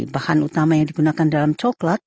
bahan utama yang digunakan dalam coklat